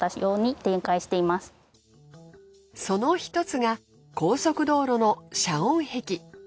その１つが高速道路の遮音壁。